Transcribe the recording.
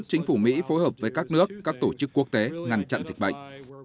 chính phủ mỹ phối hợp với các nước các tổ chức quốc tế ngăn chặn dịch bệnh